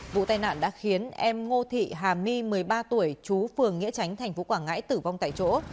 vụ tai nạn đã khiến em ngô thị hà my một mươi ba tuổi chú phường nghĩa tránh thành phố quảng ngãi tử vong tại chỗ